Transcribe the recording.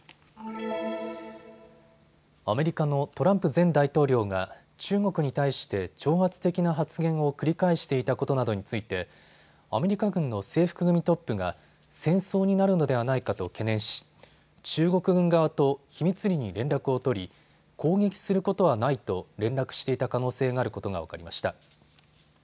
アメリカのトランプ前大統領が中国に対して挑発的な発言を繰り返していたことなどについてアメリカ軍の制服組トップが戦争になるのではないかと懸念し中国軍側と秘密裏に連絡を取り攻撃することはないと連絡していた可能性があることが分かりました。